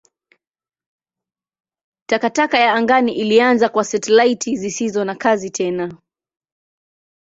Takataka ya angani ilianza kwa satelaiti zisizo na kazi tena.